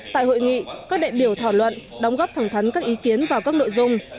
tại hội nghị các đại biểu thảo luận đóng góp thẳng thắn các ý kiến vào các nội dung